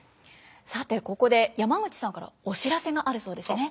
さてここで山口さんからお知らせがあるそうですね。